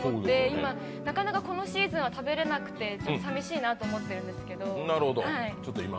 今、なかなかこのシーズンは食べれなくて寂しいなと思っているんですけど。